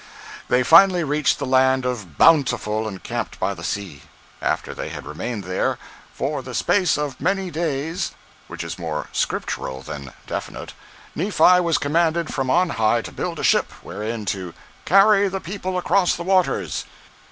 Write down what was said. They finally reached the land of "Bountiful," and camped by the sea. After they had remained there "for the space of many days"—which is more Scriptural than definite—Nephi was commanded from on high to build a ship wherein to "carry the people across the waters."